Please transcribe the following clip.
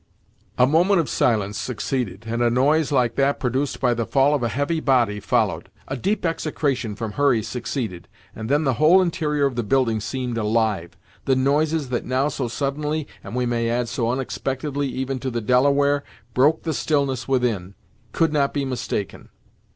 A moment of silence succeeded, and a noise like that produced by the fall of a heavy body followed. A deep execration from Hurry succeeded, and then the whole interior of the building seemed alive. The noises that now so suddenly, and we may add so unexpectedly even to the Delaware, broke the stillness within, could not be mistaken.